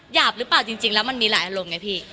หยาบหรือเปล่าจริงแล้วมันมีหลายอารมณ์ไงพี่